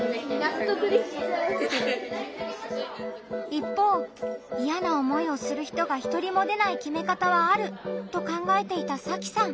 一方イヤな思いをする人が１人も出ない決め方はあると考えていたさきさん。